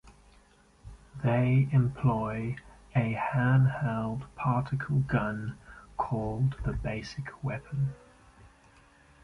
They employ a hand-held particle gun called the basic weapon.